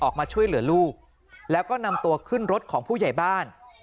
ออกมาช่วยเหลือลูกแล้วก็นำตัวขึ้นรถของผู้ใหญ่บ้าน